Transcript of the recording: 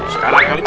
sekarang kali ini